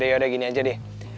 yaudah gini aja deh